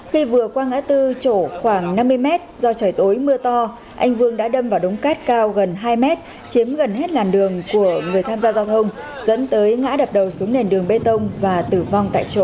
khi vừa qua ngã tư chỗ khoảng năm mươi mét do trời tối mưa to anh vương đã đâm vào đống cát cao gần hai mét chiếm gần hết làn đường của người tham gia giao thông dẫn tới ngã đập đầu xuống nền đường bê tông và tử vong tại chỗ